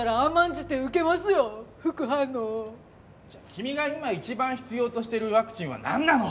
君が今一番必要としてるワクチンはなんなの！？